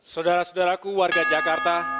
saudara saudaraku warga jakarta